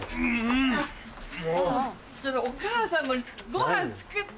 ちょっとお母さんもごはん作ってよ。